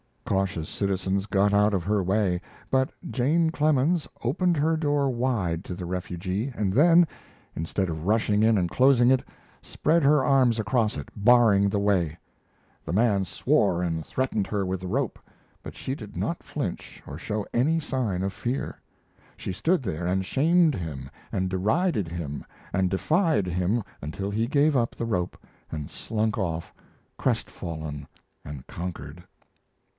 Cautious citizens got out of her way, but Jane Clemens opened her door wide to the refugee, and then, instead of rushing in and closing it, spread her arms across it, barring the way. The man swore and threatened her with the rope, but she did not flinch or show any sign of fear. She stood there and shamed him and derided him and defied him until he gave up the rope and slunk off, crestfallen and conquered.